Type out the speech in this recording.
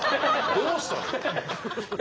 どうしたんだよ。